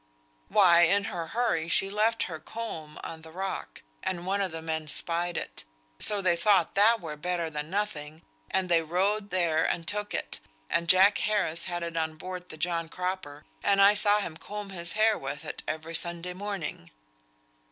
"Why, in her hurry she left her comb on the rock, and one o' the men spied it; so they thought that were better than nothing, and they rowed there and took it, and Jack Harris had it on board the John Cropper, and I saw him comb his hair with it every Sunday morning."